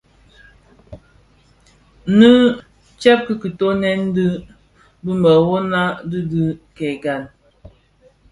Nnë tsèb ki kitöňèn dhi bi mërōňa di dhi kè gan.